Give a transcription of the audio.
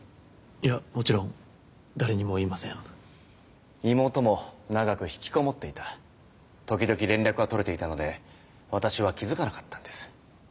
いやもちろん誰にも言いません妹も長く引きこもっていた時々連絡は取れていたので私は気づかなかったんです